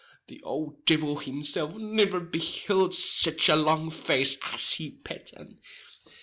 The ould divil himself niver behild sich a long face as he pet an!